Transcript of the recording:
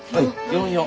４４。